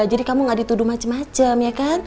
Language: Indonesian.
jadi kamu gak dituduh macem macem ya kan